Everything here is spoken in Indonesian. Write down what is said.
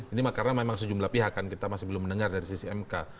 ini karena memang sejumlah pihak kan kita masih belum mendengar dari sisi mk